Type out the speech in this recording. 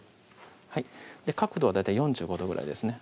はい角度は大体４５度ぐらいですね